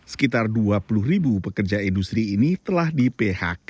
sekitar dua puluh ribu pekerja industri ini telah di phk